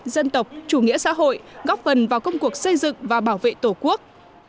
dân tộc chủ nghĩa xã hội góp phần vào công cuộc xây dựng và bảo vệ tổ quốc